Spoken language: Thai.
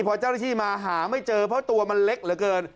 พอเจ้าหน้าที่มาหาไม่เจอเพราะตัวมันเล็กเหลือเกิน